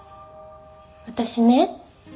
「私ね」